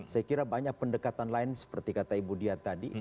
saya kira banyak pendekatan lain seperti kata ibu dia tadi